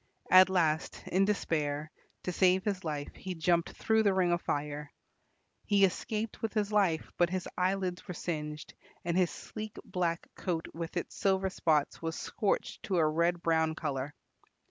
At last, in despair, to save his life, he jumped through the ring of fire. He escaped with his life, but his eyelids were singed, and his sleek black coat with its silver spots was scorched to a red brown colour.